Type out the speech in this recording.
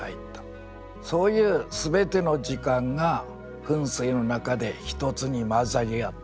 そういう全ての時間が噴水のなかで一つに混ざり合った。